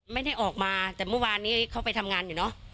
ไม่ได้ออกมาแต่เมื่อวานนี้เขาไปทำงานอยู่เนอะ